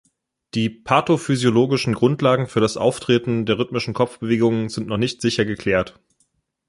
Die pathophysiologischen Grundlagen für das Auftreten der rhythmischen Kopfbewegungen sind noch nicht sicher geklärt.